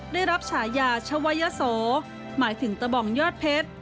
ได้รับฉายาชวัยโสหมายถึงตะบองยอดเพชร